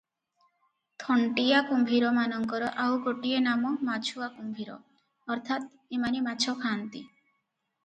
ଥଣ୍ଟିଆକୁମ୍ଭୀର ମାନଙ୍କର ଆଉ ଗୋଟିଏ ନାମ ମାଛୁଆ କୁମ୍ଭୀର, ଅର୍ଥାତ୍ ଏମାନେ ମାଛଖାଆନ୍ତି ।